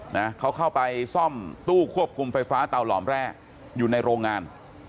นะเขาเข้าไปซ่อมตู้ควบคุมไฟฟ้าเตาหลอมแร่อยู่ในโรงงาน